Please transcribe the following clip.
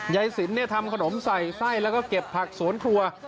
ยายสินทำขนมใส่ไส้แล้วก็เก็บผักสวนครัว